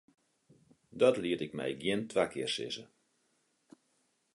Dat liet ik my gjin twa kear sizze.